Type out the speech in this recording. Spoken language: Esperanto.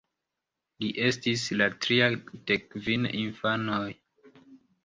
Li estis la tria de kvin infanoj.